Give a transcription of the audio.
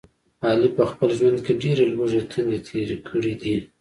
علي په خپل ژوند کې ډېرې لوږې تندې تېرې کړي دي.